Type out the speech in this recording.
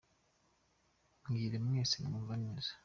Mbwire mwese mwumva neza